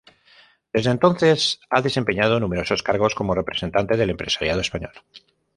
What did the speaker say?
Desde entonces ha desempeñado numerosos cargos como representante del empresariado español.